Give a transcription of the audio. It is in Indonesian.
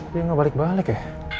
dia nggak balik balik ya